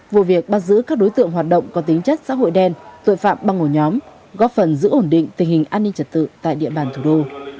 vụ việc bắt giữ các đối tượng hoạt động có tính chất xã hội đen tội phạm băng ổ nhóm góp phần giữ ổn định tình hình an ninh trật tự tại địa bàn thủ đô